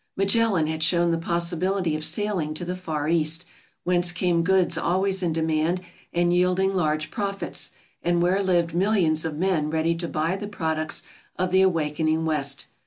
Magellan had shown the possibility of sailing to the Far East, whence came goods always in demand and yielding large profits, and where lived millions of men ready to buy the products of the awakening West.